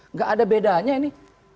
nggak ada bedanya ini